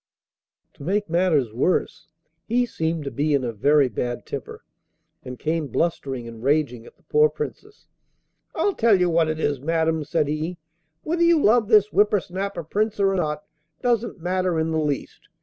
To make matters worse, he seemed to be in a very bad temper, and came blustering and raging at the poor Princess. 'I tell you what it is, madam,' said he: 'whether you love this whipper snapper Prince or not doesn't matter in the least.